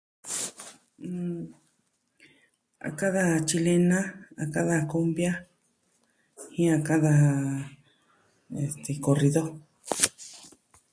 Mm... a ka'an daja tyilena, a ka'an daja kumbia, jen a ka'an daja... este, korrido.